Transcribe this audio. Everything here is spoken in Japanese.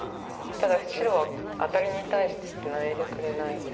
ただ白はアタリに対してツナいでくれないですから。